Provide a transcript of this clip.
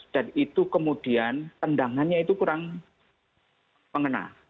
dan itu kemudian tendangannya itu kurang mengena